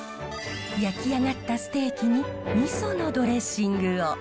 焼き上がったステーキにみそのドレッシングを。